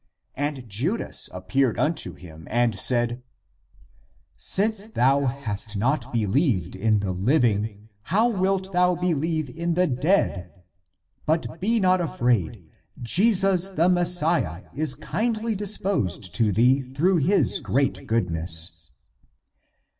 And Judas appeared unto him and said, " Since thou hast not believed in the living, how wilt thou believe in the dead? But be not afraid. Jesus the Messiah is kindly disposed to thee through his great good ness."